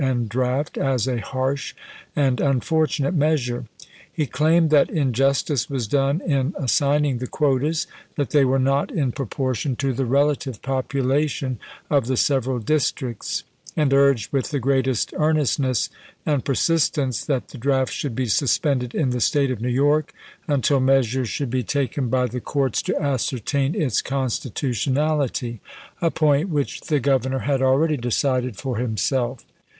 ' and draft as a " harsh " and " unfortunate " mea sure. He claimed that injustice was done in assign ing the quotas ; that they were not in proportion to the relative population of the several districts ; and urged, with the greatest earnestness and per sistence, that the draft should be suspended in the State of New York until measures should be taken by the courts to ascertain its constitutionality, a point which the Governor had already decided for himself.